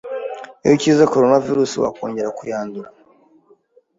Iyo ukize coronavirus wakongera ukayandura?